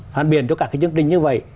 phản biệt cho cả cái chương trình như vậy